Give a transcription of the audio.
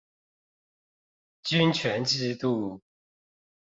均權制度